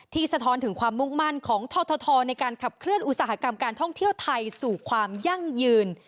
สะท้อนถึงความมุ่งมั่นของททในการขับเคลื่อนอุตสาหกรรมการท่องเที่ยวไทยสู่ความยั่งยืน